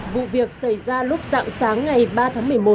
vụ việc xảy ra lúc dạng sáng ngày ba tháng một mươi một